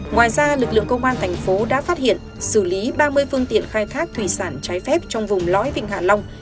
ngoài ra lực lượng công an thành phố đã phát hiện xử lý ba mươi phương tiện khai thác thủy sản trái phép trong vùng lõi vịnh hạ long